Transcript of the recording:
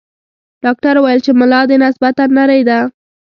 ډاکټر ویل چې ملا دې نسبتاً نرۍ ده.